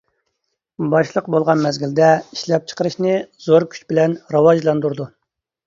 باشلىق بولغان مەزگىلدە ئىشلەپچىقىرىشنى زور كۈچ بىلەن راۋاجلاندۇرىدۇ.